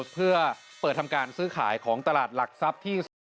สวัสดีครับ